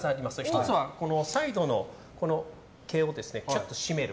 １つは、サイドの毛をちょっと締める。